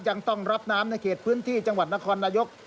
ยังต้องรับน้ำในเขตพื้นที่จังหวัดนครนายก